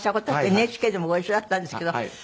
ＮＨＫでもご一緒だったんですけど。